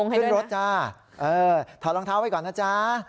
ขึ้นรถจ้าเออถอดรองเท้าไว้ก่อนนะจ๊ะ